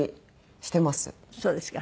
そうですか。